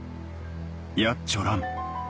「やっちょらん！」